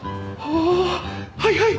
あはいはい！